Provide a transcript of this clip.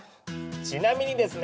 ちなみにですね